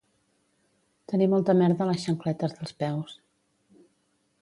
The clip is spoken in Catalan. Tenir molta merda a les xancletes dels peus.